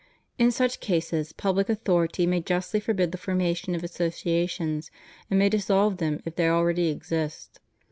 In such cases public authority may justly forbid the formation of associa tions, and may dissolve them if they already exist.